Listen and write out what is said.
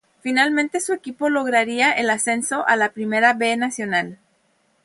Finalmente su equipo lograría el ascenso a la Primera B Nacional.